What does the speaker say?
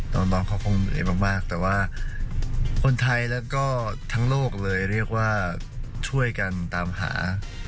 น้องเขาคงเหนื่อยมากแต่ว่าคนไทยแล้วก็ทั้งโลกเลยเรียกว่าช่วยกันตามหา